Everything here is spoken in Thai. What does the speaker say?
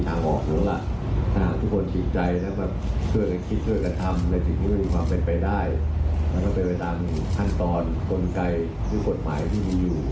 จะบอกว่าดีที่สุดท้ายศาสตร์ทุกประนักธรรมไลน์ไป